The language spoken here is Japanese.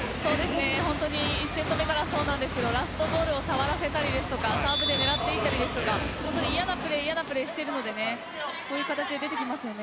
本当に１セット目からそうですがラストボールをさわらせたりサーブで狙っていたり嫌なプレーをしているのでこういう形で出てきますね。